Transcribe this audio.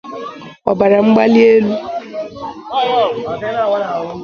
ọbara mgbalielu